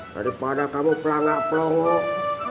daripada kamu pelanggak pelongok